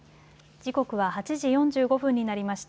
時刻は８時４５分になりました。